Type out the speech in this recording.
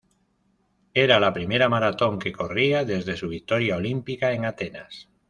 Era la primera maratón que corría desde su victoria olímpica en Atenas.